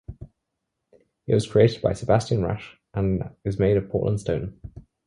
It was created by Sebastian Rasch and is made of Portland stone.